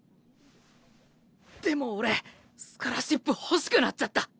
でも俺スカラシップ欲しくなっちゃった。